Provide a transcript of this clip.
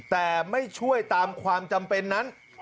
แต่ไม่ช่วยตามความจำเป็นนั้น